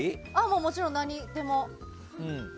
もちろん、何でも。